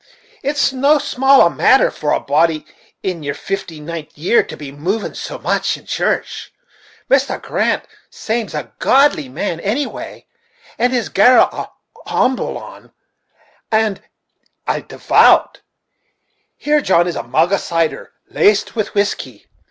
It's no small a matter for a body in their fifty nint' year to be moving so much in church. Mr. Grant sames a godly man, any way, and his garrel a hommble on; and a devout. Here, John, is a mug of cider, laced with whiskey.